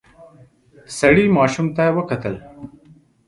سړی ماشوم ته وکتل.